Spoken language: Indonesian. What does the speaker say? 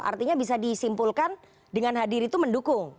artinya bisa disimpulkan dengan hadir itu mendukung